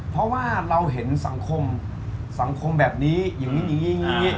เพราะว่าเราเห็นสังคมสังคมแบบนี้อย่างนี้